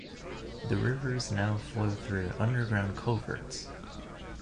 The rivers now flow through underground culverts.